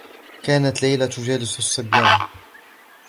كانت ليلى تجالس الصّبيان.